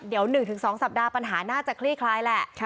เดี๋ยว๑๒สัปดาห์ปัญหาน่าจะคลี่คลายแหละ